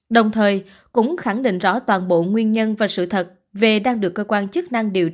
đồng thời cũng khẳng định rõ toàn bộ nguyên nhân và sự thật về đang được cơ quan chức